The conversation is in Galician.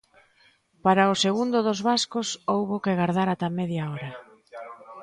Para o segundo dos vascos houbo que gardar ata a media hora.